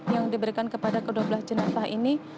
yang diberikan kepada kedua belas jenazah ini